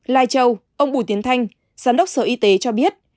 lai châu ông bùi tiến thanh giám đốc sở y tế cho biết